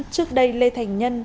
trước đây lê thình nhân